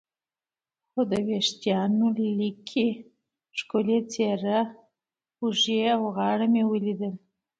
خو د وریښتانو لیکې، ښکلې څېره، اوږې او غاړه مې ولیدل.